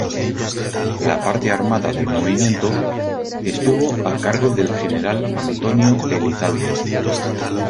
La parte armada del movimiento estuvo a cargo del general Antonio Elizalde.